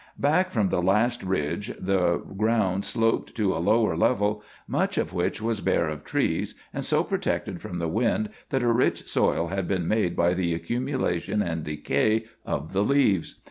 Back from the last ridge the ground sloped to a lower level, much of which was bare of trees and so protected from the wind that a rich soil had been made by the accumulation and decay of the leaves.